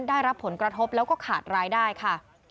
ได้รับผลกระทบแล้วก็ขาดรายได้ค่ะ